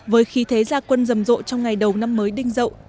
với khí thế gia quân rầm rộ trong ngày đầu năm mới đinh rậu